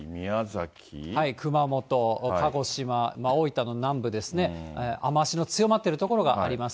熊本、鹿児島、大分の南部ですね、雨足の強まっている所があります。